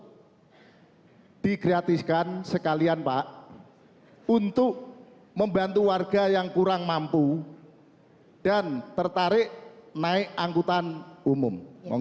tertarik yang lebih murah atau digratiskan sekalian pak untuk membantu warga yang kurang mampu dan tertarik naik angkutan umum